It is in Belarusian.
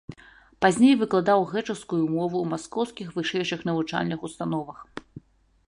Пазней выкладаў грэчаскую мову ў маскоўскіх вышэйшых навучальных установах.